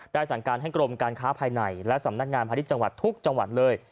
สั่งการให้กรมการค้าภายในและสำนักงานพาณิชย์จังหวัดทุกจังหวัดเลย